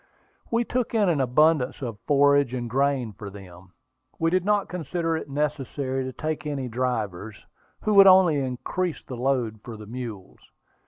We took in an abundance of forage and grain for them. We did not consider it necessary to take any drivers, who would only increase the load for the mules.